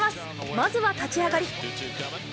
まずは立ち上がり。